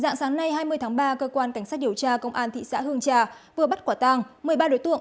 dạng sáng nay hai mươi tháng ba cơ quan cảnh sát điều tra công an thị xã hương trà vừa bắt quả tàng một mươi ba đối tượng